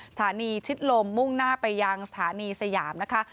สถานีชิดลมมุ่งหน้าไปยังสถานีสยามนะคะ